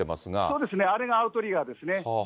そうですね、あれがアウトリガーですね。